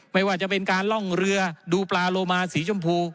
ไม่ว่าจะเป็นการล่องเรือดูปลาโลมาสีชมพู